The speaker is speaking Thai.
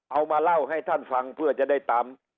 เอามาเล่าให้ท่านฟังเพื่อจะได้ตาม